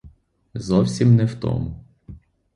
Зовсім не в тому.